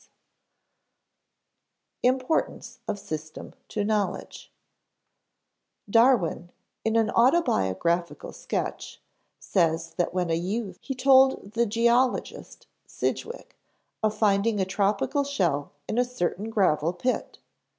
[Sidenote: Importance of system to knowledge] Darwin, in an autobiographical sketch, says that when a youth he told the geologist, Sidgwick, of finding a tropical shell in a certain gravel pit.